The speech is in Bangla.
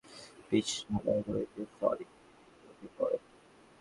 দু-একটি রাস্তা ছাড়া অন্য কোথাও পিচ ঢালাই অথবা ইটের সলিং চোখে পড়েনি।